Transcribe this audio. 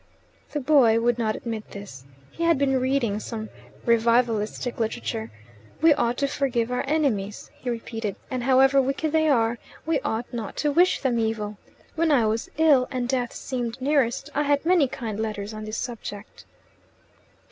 The boy would not admit this. He had been reading some revivalistic literature. "We ought to forgive our enemies," he repeated; "and however wicked they are, we ought not to wish them evil. When I was ill, and death seemed nearest, I had many kind letters on this subject."